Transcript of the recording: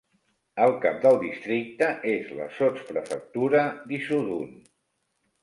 El cap del districte és la sotsprefectura d'Issoudun.